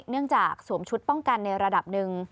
เนื่องจากสวมชุดป้องกันในระดับหนึ่ง